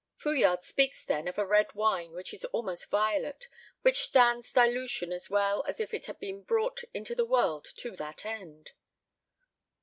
Fouillade speaks then of a red wine which is almost violet, which stands dilution as well as if it had been brought into the world to that end.